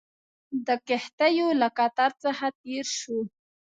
د کښتیو له قطار څخه تېر شوو.